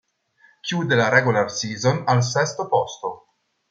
Chiude la regular season al sesto posto.